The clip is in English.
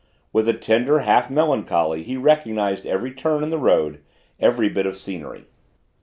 With a tender half melancholy he recognised every turn in the road, every bit of scenery.